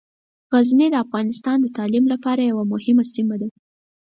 غزني د افغانستان د تعلیم لپاره یوه مهمه سیمه ده.